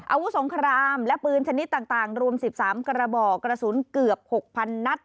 อาวุธสงครามและปืนชนิดต่างรวม๑๓กระบอกกระสุนเกือบ๖๐๐๐นัด